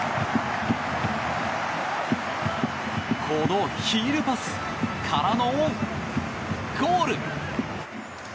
このヒールパスからのゴール！